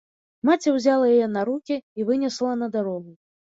Маці ўзяла яе на рукі і вынесла на дарогу.